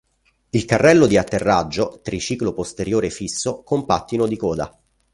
Il carrello di atterraggio, triciclo posteriore fisso, con pattino di coda.